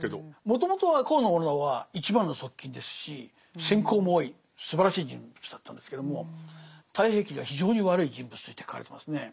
もともとは高師直は一番の側近ですし戦功も多いすばらしい人物だったんですけども「太平記」では非常に悪い人物として書かれてますね。